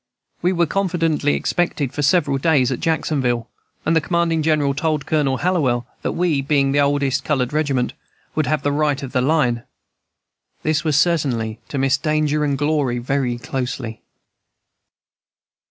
We were confidently expected for several days at Jacksonville, and the commanding general told Colonel Hallowell that we, being the oldest colored regiment, would have the right of the line. This was certainly to miss danger and glory very closely."